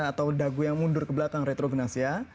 atau dagu yang mundur ke belakang retrognasi ya